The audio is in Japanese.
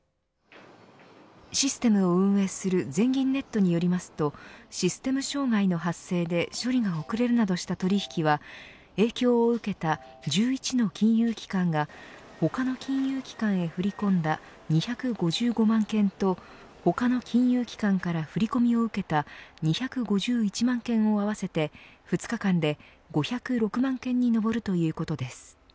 システムを運営する全銀ネットによりますとシステム障害の発生で処理が遅れるなどした取引は影響を受けた１１の金融機関が他の金融機関へ振り込んだ２５５万件と他の金融機関から振り込みを受けた２５１万件を合わせて２日間で５０６万件に上るということです。